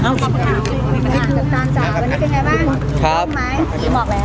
ภาทรงไม้กี่หมอกแล้ว